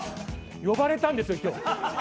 呼ばれたんですよ、今日。